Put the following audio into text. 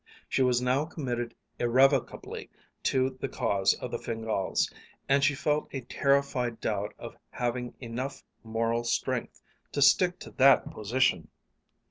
She was now committed irrevocably to the cause of the Fingáls, and she felt a terrified doubt of having enough moral strength to stick to that position.